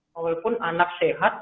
walaupun anak sehat